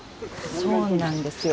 そうなんですよ。